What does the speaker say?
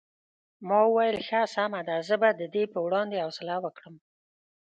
ما وویل ښه سمه ده زه به د دې په وړاندې حوصله وکړم.